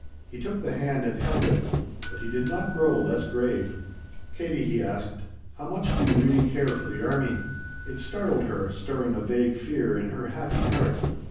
He took the hand and held it; but he did not grow less grave. "Katie," he asked, "how much do you really care for the army?" It startled her, stirring a vague fear in her happy heart.